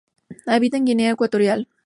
Habita en Guinea Ecuatorial.